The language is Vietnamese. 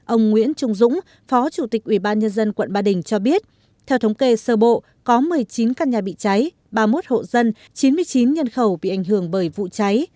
ông nguyễn trung dũng phó chủ tịch ủy ban nhân dân quận ba đình cho biết theo thống kê sơ bộ có một mươi chín căn nhà bị cháy ba mươi một hộ dân chín mươi chín nhân khẩu bị ảnh hưởng bởi vụ cháy